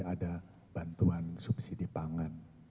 ada bantuan subsidi pangan